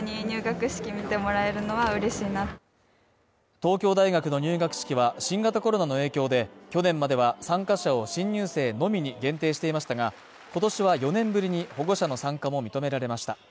東京大学の入学式は、新型コロナの影響で去年までは参加者を新入生のみに限定していましたが、今年は４年ぶりに保護者の参加も認められました。